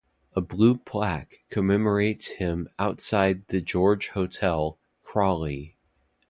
A blue plaque commemorates him outside The George Hotel, Crawley.